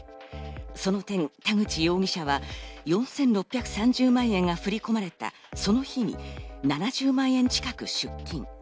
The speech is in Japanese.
その点、田口容疑者は４６３０万円が振り込まれたその日に７０万円近く出金。